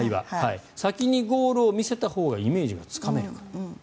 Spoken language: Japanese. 先にゴールを見せたほうがイメージがつかめるから。